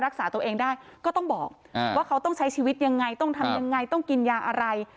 รักษาตัวเองได้ก็ต้องบอกว่าเขาต้องใช้ชีวิตยังไงต้องทำยังไงต้องกินยาอะไร